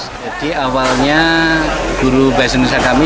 jadi awalnya guru baisenusa kami